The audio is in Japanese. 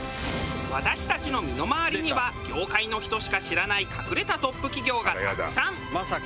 私たちの身の回りには業界の人しか知らない隠れたトップ企業がたくさん。